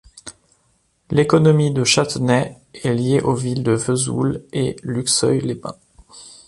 L’économie de Châteney est liée aux villes de Vesoul et Luxeuil-les-Bains.